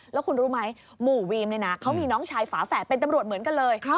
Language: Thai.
แล้วคุณรู้ไหมหมู่วีมเนี่ยนะเขามีน้องชายฝาแฝดเป็นตำรวจเหมือนกันเลย